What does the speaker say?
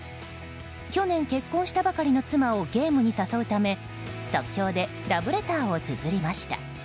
去年、結婚したばかりの妻をゲームに誘うため即興でラブレターをつづりました。